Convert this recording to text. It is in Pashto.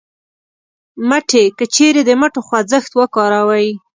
مټې : که چېرې د مټو خوځښت وکاروئ